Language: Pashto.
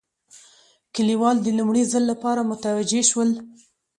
کلیوال د لومړي ځل لپاره متوجه شول.